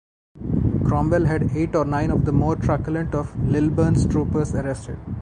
Cromwell had eight or nine of the more truculent of Lilburne's troopers arrested.